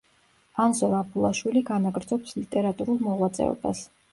ანზორ აბულაშვილი განაგრძობს ლიტერატურულ მოღვაწეობას.